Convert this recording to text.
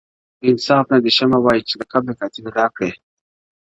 انصاف نه دی شمه وایې چي لقب د قاتل راکړﺉ,